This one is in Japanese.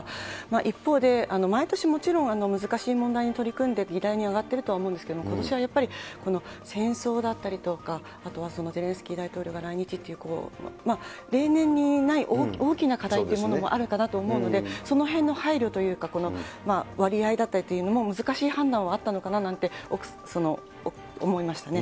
一方で、毎年もちろん難しい問題に取り組んで、議題に上がってるとは思うんですけれども、ことしはやっぱりこの戦争だったりとか、あとはゼレンスキー大統領が来日っていう、例年にない大きな課題というものもあるかなと思うので、そのへんの配慮というか、割合だったりというのも難しい判断はあったのかな？なんて思いましたね。